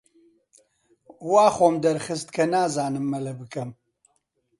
وا خۆم دەرخست کە نازانم مەلە بکەم.